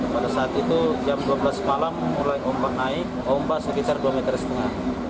pada saat itu jam dua belas malam mulai ombak naik ombak sekitar dua meter setengah